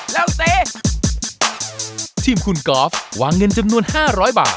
เร็วสิทีมคุณกอล์ฟหวางเงินจำนวนห้าร้อยบาท